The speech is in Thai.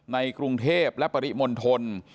ในกรุงเทพและปริมณฑล